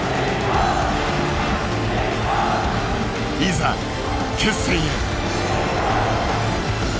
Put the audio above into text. いざ決戦へ。